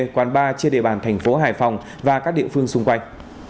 quán ba trên địa bàn thành phố hải phòng và các địa phương xung quanh